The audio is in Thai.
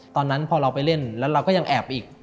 ตอนนั้นพอเราไปเล่นแล้วเราก็ยังแอบไปอีก